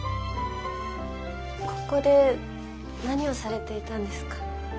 ここで何をされていたんですか？